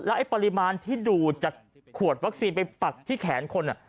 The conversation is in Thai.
ไอ้ปริมาณที่ดูดจากขวดวัคซีนไปปักที่แขนคน